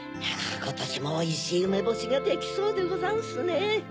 ことしもおいしいうめぼしができそうでござんすね！